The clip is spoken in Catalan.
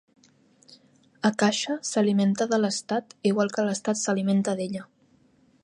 Akasha s'alimenta de Lestat igual que Lestat s'alimenta d'ella.